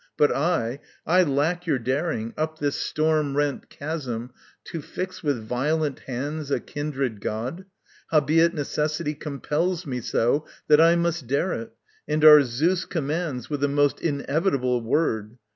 but I, I lack your daring, up this storm rent chasm To fix with violent hands a kindred god, Howbeit necessity compels me so That I must dare it, and our Zeus commands With a most inevitable word.